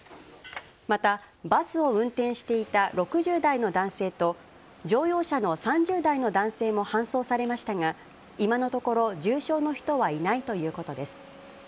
またバスを運転していた６０代の男性と、乗用車の３０代の男性も搬送されましたが、今のところ重傷の人はいないということです。